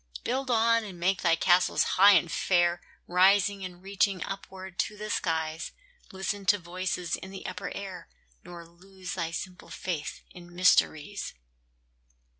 Build on, and make thy castles high and fair, Rising and reaching upward to the skies; Listen to voices in the upper air, Nor lose thy simple faith in mysteries.